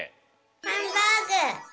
ハンバーグ！